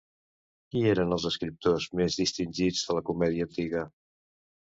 Qui eren els escriptors més distingits de la comèdia antiga?